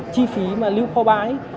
chi phí mà lưu kho bãi